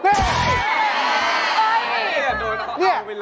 เอ๋เลย